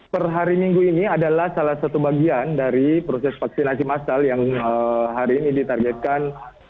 per hari minggu ini adalah salah satu bagian dari proses vaksinasi massal yang hari ini ditargetkan